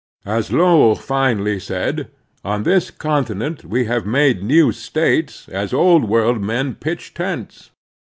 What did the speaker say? As Lowell finely said, on this continent we have made new States as Old World men pitch tents.